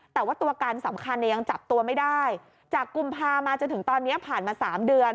แต่ว่าตัวการสำคัญเนี่ยยังจับตัวไม่ได้จากกุมภามาจนถึงตอนนี้ผ่านมาสามเดือน